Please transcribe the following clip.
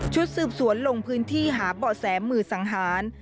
สืบสวนลงพื้นที่หาเบาะแสมือสังหาร